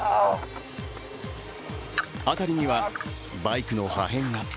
辺りにはバイクの破片が。